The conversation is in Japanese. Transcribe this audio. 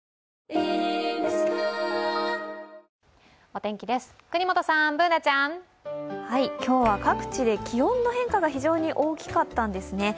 お天気です、國本さん、Ｂｏｏｎａちゃん。今日は各地で気温の変化が非常に大きかったんですね。